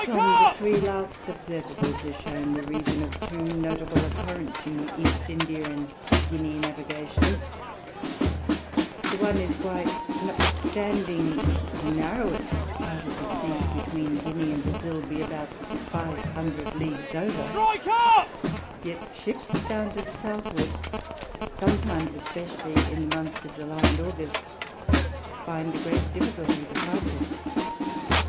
From the three last Observables is shewn the Reason of two notable Occurents in the East India and Guinea Navigations: The one is, why, notwithstanding the narrowest part of the Sea between Guinea and Brazile be about five hundred Leagues over, yet Ships bound to the Southward, sometimes, especially in the Months of July and August, find a great difficulty to pass it.